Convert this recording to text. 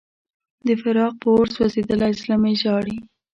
د فراق په اور سوځېدلی زړه مې ژاړي.